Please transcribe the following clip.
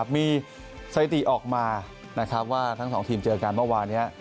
มีสถิติออกมานะครับว่าทั้งสองทีมเจอกันเมื่อวานนี้